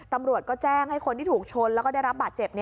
ตำรวจก็แจ้งให้คนที่ถูกชนแล้วก็ได้รับบาดเจ็บ